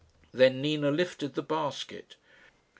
Then Nina lifted the basket.